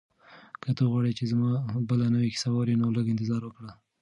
که ته غواړې چې زما بله نوې کیسه واورې نو لږ انتظار وکړه.